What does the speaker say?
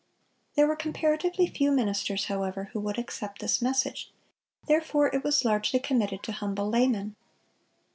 There were comparatively few ministers, however, who would accept this message; therefore it was largely committed to humble laymen.